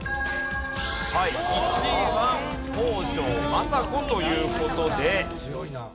はい１位は北条政子という事で。